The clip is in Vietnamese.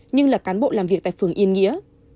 nhưng là cán bộ làm việc tại phường yên nghĩa